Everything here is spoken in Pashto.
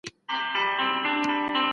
هر افغان ځان د دې خاورې مالک باله.